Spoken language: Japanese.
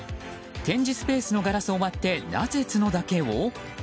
展示スペースのガラスを割ってなぜ角だけを？